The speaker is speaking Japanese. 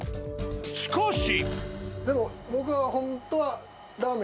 しかし！